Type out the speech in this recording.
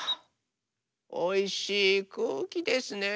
おいしいくうきですね。